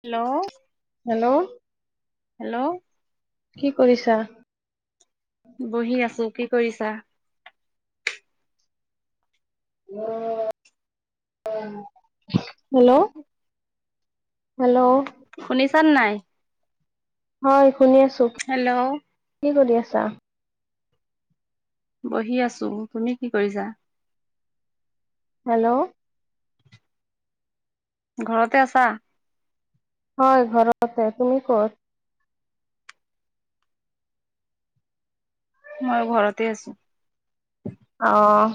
Hello hello hello কি কৰিছা? বহি আছো কি কৰিছা? হেল্ল' হেল্ল' শুনিছা নাই। হয় শুনি আছো হেল্ল' কি কৰি আছা? বহি আছো তুমি কি কৰিছা? হেল্ল'। ঘৰতে আছা? হয় ঘৰতে। তুমি ক'ত? মই ঘৰতে আছো। অ'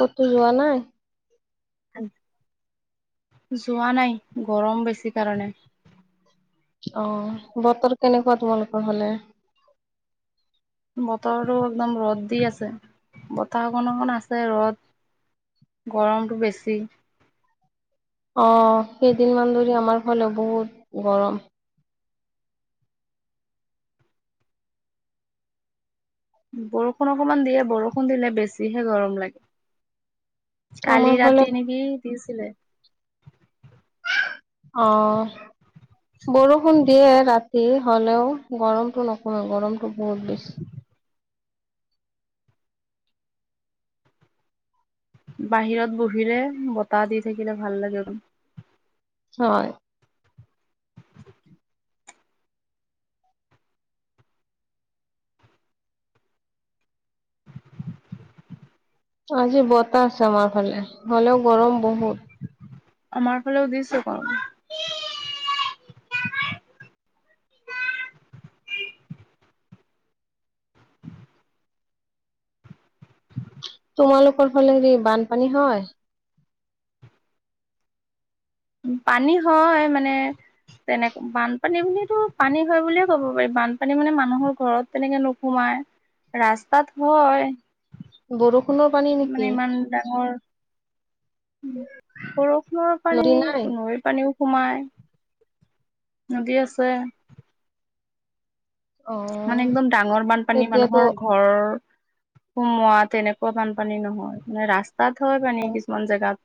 কতো যোৱা নাই? যোৱা নাই গৰম বেছি কাৰণে। অ' বতৰ কেনেকুৱা তোমালোকৰ হ'লে? বতৰটো একদম ৰ'দ দি আছে। বতাহকণ অকন আছে ৰ'দ গৰমটো বেছি। অহ কেইদিনমান ধৰি আমাৰ ফালে বহুত গৰম। বৰষুণ অকণমান দিয়ে বৰষুণ দিলে বেছিহে গৰম লাগে। আমাৰ কালি ফালে ৰাতি নেকি দিছিলে। অ বৰষুণ দিয়ে ৰাতি। তি হ'লেও গৰমতটো নকমে গৰমতটো বহুত বেছি। বাহিৰত বহিলে বতাহ দি থাকিলে ভাল লাগে। হয়। আজি বতাহ আছে আমাৰ ফালে হ'লেও গৰম বহুত। আমাৰ ফালেও দিছে ক [unintelligible] তোমালোকৰ ফালে হ বানপানী হয়? পানী হয় মানে তেনেকে বানপানী বুলিতো পানী হয় বুলিয়ে ক'ব পাৰি। বানপানী মানে মানুহৰ ঘৰত তেনেকে নোসোমায়। ৰাস্তাত হয় বৰষুণৰ পানী নেকি? মানে ইমান ডাঙৰ বৰষুণৰ পানী নদী নাই নৈৰ পানীও। সোমাই নদী আছে। অ মানে একদম ডাঙৰ বানপানী এতিয়াতো মানুহৰ ঘৰ সোমোৱাত তেনেকুৱা বানপানী নহয় মানে ৰাস্তাত হয় পানী কিছুমান জেগাত।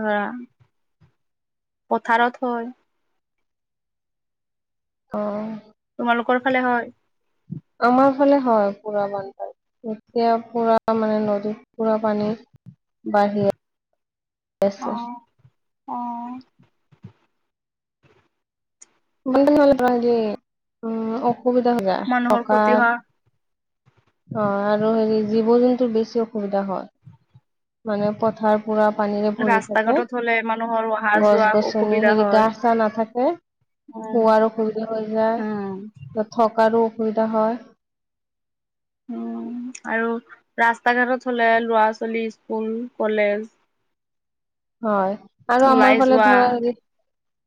ধৰা পথাৰত হয়। [inaudible] অ'। তোমালোকৰ ফালে হয়? আমাৰ ফালে হয় পুৰা বানপানী। এতিয়া পুৰা মানে নদীত পুৰা পানী বাঢ়ি আ চ [inaudible] অ', অ'। [unintelligible] অসুবিধা হৈ জায় মানুহৰ থকা ক্ষতি হোৱা অ [unintelligible] আৰু হেৰি জীৱ জন্তুৰ বেছি অসুবিধা হয়। মানে পথাৰ পুৰা পানীৰে ভৰি ৰাস্তা থাকে ঘাটত হ'লে মানুহৰ অহা গছ যোৱা গছনি অসুবিধা হেৰি হয়। গা চা নাথাকে। খোৱাৰো অসুবিধা হৈ উম, যায় থকাৰো। অসুবিধা হয়। অহ। আৰু ৰাস্তা ঘাটত হ'লে লৰা ছোৱালী স্কুল কলেজ হয় আৰু আমাৰ ওলাই ফালে যোৱা ধৰা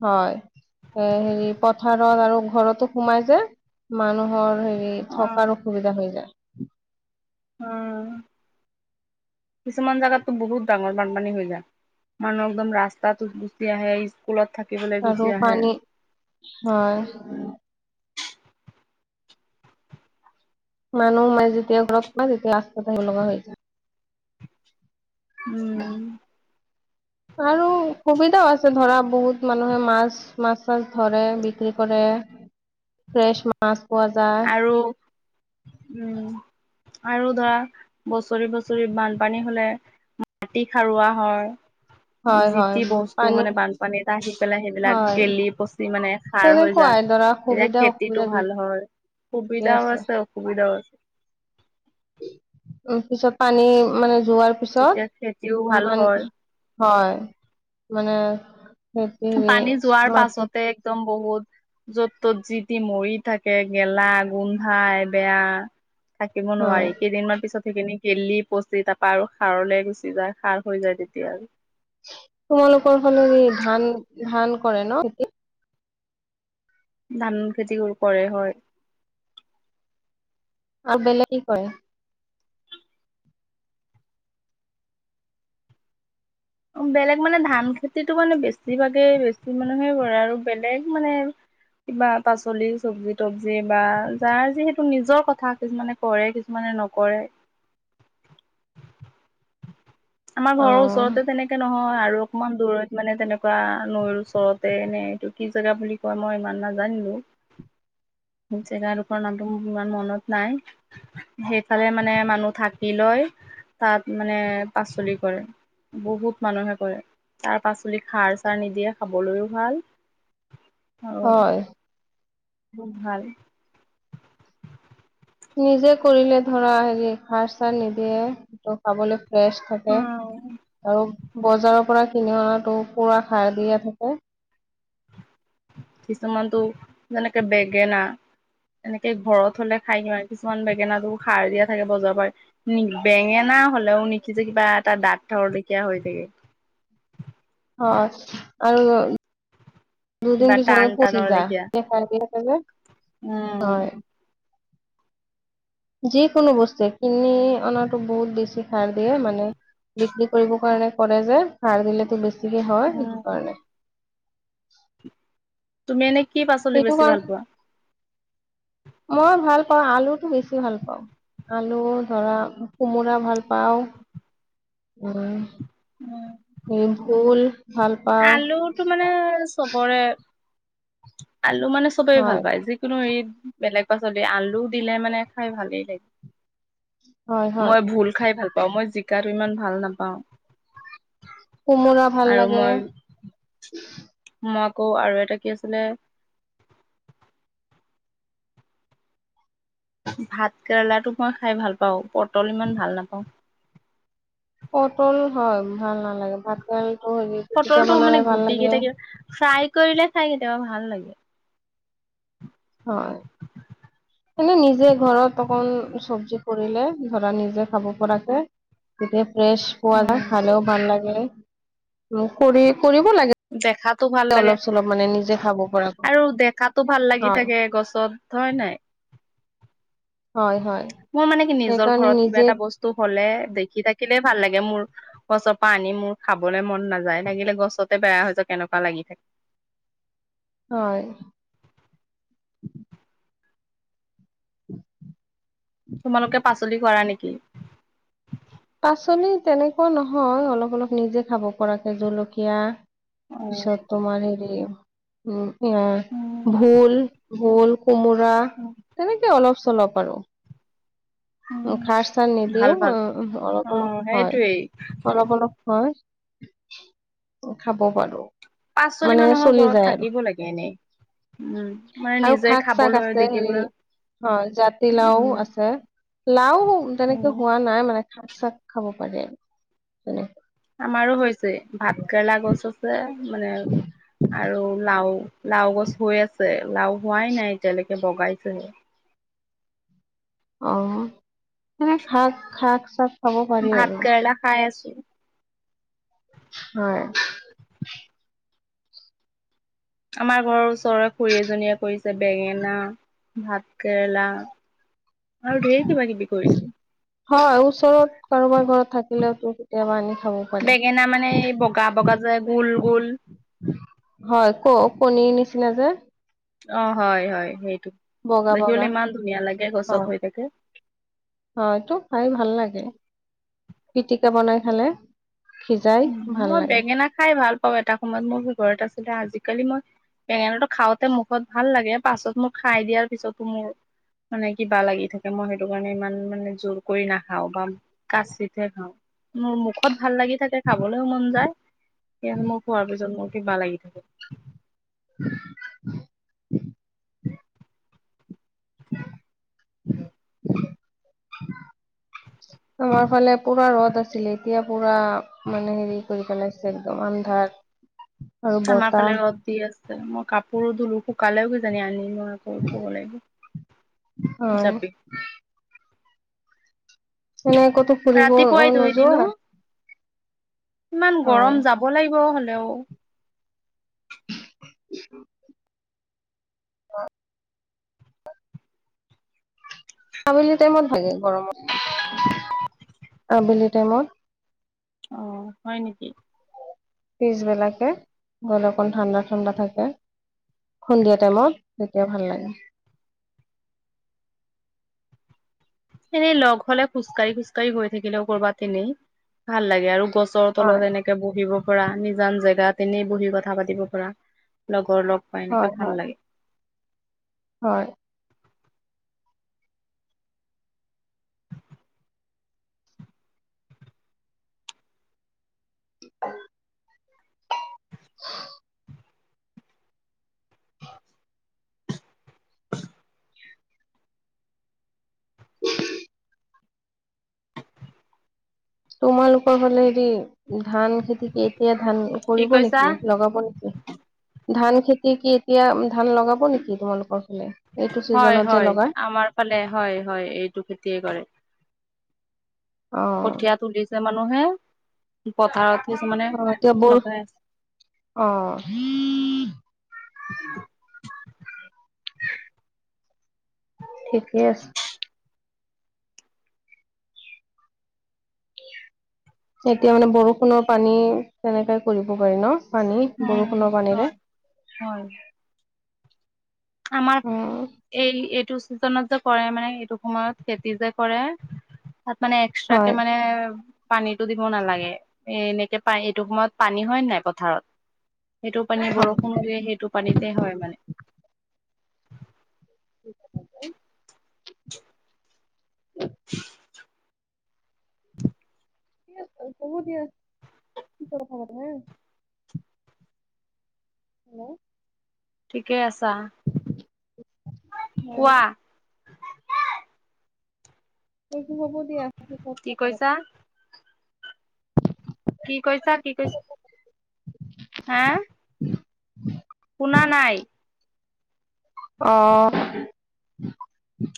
হয় এ হেৰি পথাৰত আৰু ঘৰতো সোমাই যে মানুহৰ হেৰি অ', থকাৰ অসুবিধা হৈ যায়। উম কিছুমান জাগাতো বহুত ডাঙৰ বানপানী হৈ যায়। মানুহ একদম ৰাস্তাতচ গুছি আহে স্কুলত। থাকিবলৈ গুচি আৰু আহে পানী হয়। মানুহ সোমাই যেতিয়া ঘৰত পা তেতিয়া ৰাস্তাত আহিব লগা হৈ যায়। উম। আৰু সুবিধাও আছে ধৰা বহুত মানুহে মাছ মাছ চাছ ধৰে বিক্ৰী কৰে ফ্ৰেছ মাছ পোৱা যায়। আৰু উম আৰু ধৰা বছৰি-বছৰি বানপানী হলে মাটি খাৰুৱা হয়। হয় যি হয় তি বস্তু পানী মানে বানপানী এটা আহি পেলাই সেইবিলাক হয় গেলি-পচি মানে সাৰ হৈ তেনেকুৱাই ধৰা এতিয়া সুবিধা অসুবিধা খেতিটো ভাল দুইটাই হয়। সুবিধাও আছে, অসুবিধা [unintelligible] উ পিছত পানী মানে যোৱাৰ তেতিয়া খেতিও ভাল হয় পিছত হয় মানে। খেতি পানী যোৱাৰ মাটি পাছতে একদম বহুত। য'ত ত'ত যিতি মৰি থাকে। গেলা গোন্ধাই বেয়া থাকিব হয় নোৱাৰি। কেইদিনমান পিছত সেইখিনি খেলি পচি তাৰপা আৰু সাৰলে গুচি যায়। সাৰ হৈ যায় তেতিয়া আৰু তোমালোকৰ ফালৰ ই ধান ধান কৰে ন নি ধান খেতি কৰে হয়। আৰু বেলেগেই কৰে। বেলেগ মানে ধান খেতিটো মানে বেছিভাগেই বেছি মানুহে কৰে আৰু বেলেগ মানে কিবা পাচলি চব্জি তবজি বা যাৰ যিহেতু নিজৰ কথা কিছুমানে কৰে। কিছুমানে নকৰে। আমাৰ অ ঘৰৰ ওচৰতে তেনেকে নহয়। আৰু অকমান দূৰত মানে তেনেকুৱা নৈ ওচৰতে নে এইটো কি জেগা বুলি কোৱা মই ইমান নাজানিলো। [inaudible] জেগাডোখৰ নামটো মোৰ ইমান মনত নাই। সেইফালে মানে মানুহ থাকি লয়। তাত মানে পাচলি কৰে। বহুত মানুহে কৰে। তাৰ পাচলি সাৰ চাৰ নিদিয়ে, খাবলৈও ভাল। অ হয় বহুত ভাল। নিজে কৰিলে ধৰা হেৰি সাৰ চাৰ নিদিয়ে। টো খাবলে ফ্ৰেছ থাকে উম। আৰু বজাৰৰ পৰা কিনি অনাটো পুৰা সাৰ দিয়া থাকে। কিছুমানটো যেনেকে বেগেনা এনেকে ঘৰত হ'লে খাই কি কিছুমান বেগেনাটো সাৰ দিয়া থাকে। বজাৰৰ পৰা বেঙেনা হলেও নিসিজে কিবা। টা দাঁত থৰলেকিয়া হৈ থাকে। হয় আৰু কিবা দুদিন পিছত টান পচি টানৰ লেখীয়া যায়। সাৰ দিয়া থাকে যে, উম হয় যিকোনো বস্তুৱে। কিনি অনাতো বহুত বেছি সাৰ দিয়ে। মানে বিক্ৰী কৰিবৰ কাৰণে কৰে যে। সাৰ দিলেতো বেছি তিয়ে হয় সেইটো উম কাৰণে। তুমি এনে কি পাচলি সেইটো বেছি ভাল কাৰণে পোৱা? মই ভাল আলুটো বেছি ভাল পাওঁ। আলু ধৰা কোমোৰা ভাল পাওঁ। উ উম স ভোল ভাল পাওঁ আলুটো মানে চবৰে আলু মানে চবেই ভাল হয় পায়। যিকোনো এই বেলেগ পাচলি আলু দিলে মানে খাই ভালেই হয় লাগে। হয় মই ভোল খাই ভাল পাওঁ। মই জিকাটো ইমান ভাল নাপাওঁ। কোমোৰা ভাল আৰু লাগে মই মই আকৌ আৰু এটা কি আছিলে? ভাত কেৰেলাটো মই খাই ভাল পাওঁ। পটল ইমান ভাল নাপাওঁ। পটল হয় ভাল নালাগে। ভাত কেৰেলাটো হেৰি পিতিকা পটলটো মানে বনালে ভাল গুটি লাগে। কেইটা কিবা ফ্ৰাই কৰিলে চাই কেতিয়াবা ভাল লাগে। হয়। এনে নিজে ঘৰত অকণ চব্জি কৰিলে, ধৰা নিজে খাব পৰাকে। তেতিয়া ফ্ৰেছ পোৱা দা উম, খালেও ভাল লাগে। খুৰীৰ কৰিব লাগে দেখাতো ভাল লাগে অলপ চলপ মানে নিজে। খাব পৰাকৈ আৰু দেখাতো ভাল লাগি হয় থাকে গছত হয় নাই? হয় হয়। মোৰ মানে কি নিজৰ সেইকাৰণে ঘৰত কিবা নিজে এটা বস্তু হলে- দেখি থাকিলে ভাল লাগে মোৰ। গছৰ পৰা আনি মোৰ খাবলৈ মন নাযায়, লাগিলে গছতে বেয়া হৈ যায়। কেনেকুৱা লাগি থাকে? হয়। [inaudible] তোমালোকে পাচলি কৰা নেকি? পাচলি তেনেকুৱা নহয়, অলপ অলপ নিজে খাব পৰাকে জলকীয়া অ', পিছত তোমাৰ হেৰি উ ভিতৰত, উম, ভোল, ভোল। কোমোৰা, তেনেকে অলপ চলপ আৰু। উম, খাৰ- চাৰ ভাল নিদিয়েও। ভাল উ অলপ অলপ অ', হয়, সেইটোৱেই অলপ অলপ হয়। ত খাব পাৰো। পাচলি মানে মানুহৰ চলি ঘৰত যায় আৰু থাকিব লাগে এনেই। উম, মানে নিজে খাবলৈ আৰু দেখিবলৈ। অ, জাতিলাও উম, আছে। লাও তেনেকে উম। হোৱা নাই মানে, শাক- চাক খাব পাৰি তেনে আমাৰো হৈছে, ভাত কেৰেলা গছ আছে মানে আৰু লাও। লাও গছ হৈ আছে, লাও হোৱাই নাই এতিয়ালৈকে, বগাইছেহে। অহ। এনেই শাক-শাক চব ভাত কেৰেলা খাই আছো। হয়। আমাৰ ঘৰৰ ওচৰৰে খুৰী এজনীয়ে কৰিছে বেঙেনা। ভাত কেৰেলা। আৰু ঢেৰ কিবা কিবি কৰিছে হয়, ওচৰত কাৰোবাৰ ঘৰত। থাকিলেও তোৰ কেতিয়াবা আনি। খাব পাৰি বেঙেনা মানে এই বগা বগা যে গোল গোল। পনীৰ নিচিনা যে। অ হয় হয়, সেইটো বগা দেখিবলৈ বগা ইমান ধুনীয়া লাগে গছত হৈ থাকে। হয়, এইটো খাই ভাল লাগে পিটিকা বনাই খালে। সিজাই ভাল মই লাগে বেঙেনা খাই ভাল পাওঁ। এটা সময়ত মোৰ ঘৰত আছিলে, আজিকালি মই- বেঙেনাটো খাওঁতে মুখত ভাল লাগে, পাছত মোক খাই দিয়াৰ পিছতো মোৰ- মানে কিবা লাগি থাকে, মই সেইটো কাৰণে ইমান মানে জোৰ কৰি নাখাও বা কাচিতহে খাওঁ। মোৰ মুখত ভাল লাগি থাকে। খাবলৈও মন যায়, সেই মোৰ খোৱাৰ পিছত মোৰ কিবা লাগি থাকে। [unintelligible] [unintelligible] হয় [unintelligible] [unintelligible] আমাৰ ফালে পুৰা ৰ'দ আছিলে, এতিয়া পুৰা মানে হেৰি কৰি পেলাইছে একদম আন্ধাৰ। আৰু আমাৰ বতাহ ফালে ৰ'দ দি আছে, মই কাপোৰো ধুলো শুকালেও কিজানি আনিমো। হয় [unintelligible] মনে ক'তো ফুৰিব অ' ৰাতিপুৱাই ধুই দিলো নোযোৱা? ইমান হয় গৰম, যাব লাগিব হ'লেও। [inaudible] অঁ আবেলি টাইমত ভাগে গৰমত আবেলি টাইমত অ হয় নেকি? পিছবেলাকে অকণ ঠাণ্ডা-ঠাণ্ডা থাকে সন্ধিয়া টাইমত তেতিয়া ভাল লাগে। [inaudible] এনেই লগ হলে খোজকাঢ়ি-খোজকাঢ়ি হৈ থাকিলেও কৰ'ৰবাত তেনেই ভাল লাগে আৰু [inaudible] গছৰ তলত হয় এনেকে বহিব পৰা নিজান জেগাত এনেই বহি কথা পাতিব পৰা লগ [unintelligible] লগৰ লগ পাই হয় এনেকে ভাল হয় লাগে। হয় [inaudible] তোমালোকৰ ফালে হেৰি ধান খেতিক এতিয়া ধান কি কৰিব কৈছা নেকি লগাব নেকি ধান খেতি কি এতিয়া ধান লগাব নেকি তোমালোকৰ ফালে এইটো চিজনত যে হয়-হয় লগাই আমাৰ ফালে হয়-হয় এইটো খেতিয়ে কৰে অ কঠিয়া তুলিছে মানুহে পথাৰত কিছুমানে অ তেওঁ লগাই আছে অঁ উ [unintelligible] ঠিকেই আছে এতিয়া মানে বৰষুণৰ পানী তেনেকাই কৰিব পাৰি ন? পানী উম বৰষুণৰ পানীৰে হয় হয় আমাৰ অ এই এইটো চিজনত যে কৰে মানে এইটো সময়ত খেতি যে কৰে তাত মানে এক্সট্ৰা কে হয় মানে পানীটো দিব নালাগে এ এনেকে পানীটো সময়ত পানী হয় নাই পথাৰত সেইটো পানী হয় বৰষুণ দিয়ে। সেইটো পানীতে হয় মানে [inaudible] [unintelligible] বহুত দেৰি কি কথা কথা পতা [unintelligible] উম [inaudible] ঠিকে আছে। হুম। কোৱা এইটো হ'ব দিয়া। পিছত কি কথা কৈছা? কি কৈছা পাতিম কি কৈছা হা শুনা নাই অ',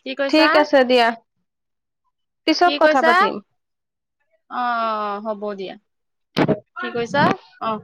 কি কৈছা ঠিক আছে দিয়া পিছত কথা পাতিম। অ'-অ' হ'ব দিয়া। কি কৈছা আহ [inaudible]